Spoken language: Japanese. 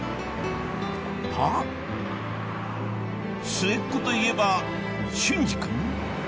末っ子といえば隼司君？